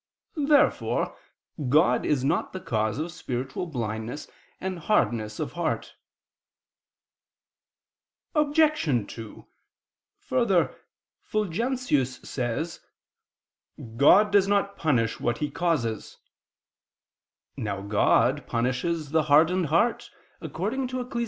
Therefore God is not the cause of spiritual blindness and hardness of heart. Obj. 2: Further, Fulgentius says (De Dupl. Praedest. i, 19): "God does not punish what He causes." Now God punishes the hardened heart, according to Ecclus.